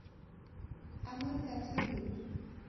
আমার কাছে দিন।